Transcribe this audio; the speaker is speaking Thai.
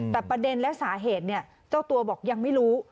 แต่ประเด็นและสาเหตุเนี่ยเจ้าตัวบอกยังไม่รู้